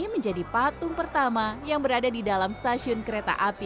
menjadi patung pertama yang berada di dalam patung ini